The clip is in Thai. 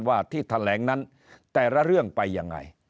ว่าที่แถลงนั้นแต่ละเรื่องไปยังไง